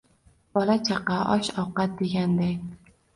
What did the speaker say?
Bola-chaqa, osh-ovqat deganday